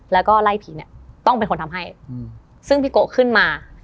แล้วก็ไล่ผีเนี่ยต้องเป็นคนทำให้ซึ่งพี่โกะขึ้นมา